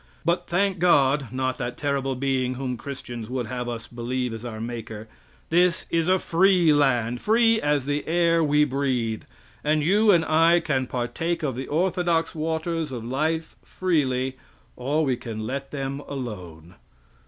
But, thank God not that terrible being whom Christians would have us believe is our Maker this is a free land free as the air we breathe; and you and I can partake of the orthodox waters of life freely, or we can let them alone!